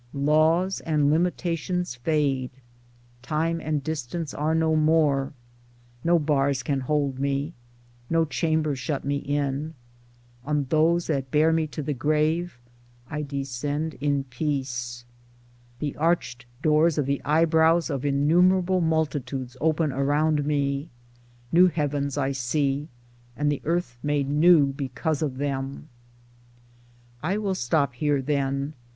Laws and limitations fade, time and distance are no more, no bars can hold me, no chamber shut me in : on those that bear me to the grave I descend in peace. The arched doors of the eyebrows of innumerable multi tudes open around me : new heavens I see, and the earth made new because of them. I will stop here then.